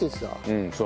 うんそうね。